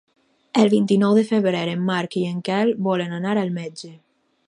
El vint-i-nou de febrer en Marc i en Quel volen anar al metge.